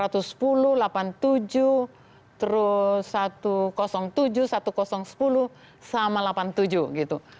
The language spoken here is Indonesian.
satu ratus sepuluh delapan puluh tujuh terus satu ratus tujuh seribu sepuluh sama delapan puluh tujuh gitu